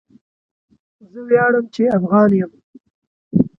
زه وياړم چي افغان يم.